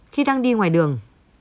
khi đang đi ngoài đường